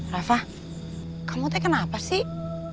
rafa kamu teh kenapa sih